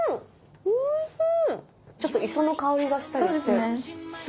おいしい！